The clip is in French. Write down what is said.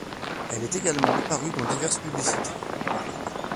Elle est également apparue dans diverses publicités.